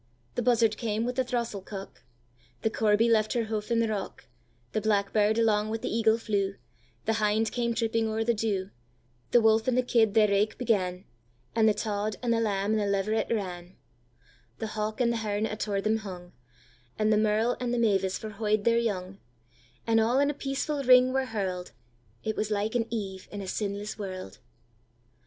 The buzzard came with the throstle cock; The corby left her houf in the rock; The blackbird alang wi' the eagle flew; The hind came tripping o'er the dew; The wolf and the kid their raike began, And the tod, and the lamb, and the leveret ran; The hawk and the hern attour them hung, And the merle and the mavis forhooy'd their young; And all in a peaceful ring were hurl'd; It was like an Eve in a sinless world!